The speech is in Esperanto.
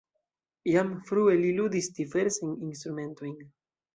Jam frue li ludis diversajn instrumentojn.